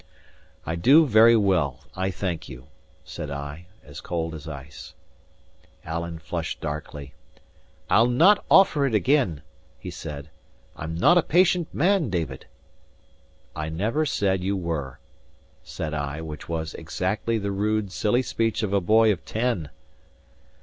"I do very well, I thank you," said I, as cold as ice. Alan flushed darkly. "I'll not offer it again," he said. "I'm not a patient man, David." "I never said you were," said I, which was exactly the rude, silly speech of a boy of ten.